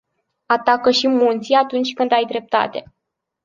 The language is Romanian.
Atacă și munții atunci când ai dreptate.